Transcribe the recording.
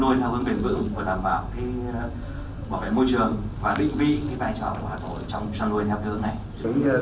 vừa đảm bảo môi trường và định vi bài trò của hà nội trong chăn nuôi theo hướng này